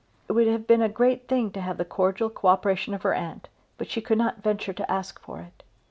It would have been a great thing to have the cordial co operation of her aunt; but she could not venture to ask for it.